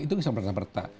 itu kan serta merta